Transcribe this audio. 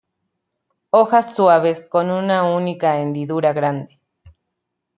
Hojas suaves con una única hendidura grande.